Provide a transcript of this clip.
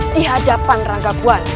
di hadapan rangka puan